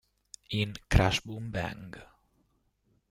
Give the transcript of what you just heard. In "Crash Boom Bang!